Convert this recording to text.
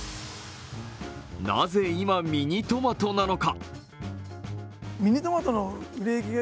なぜ今ミニトマトなのか。